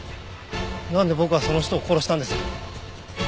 なんで僕はその人を殺したんですか？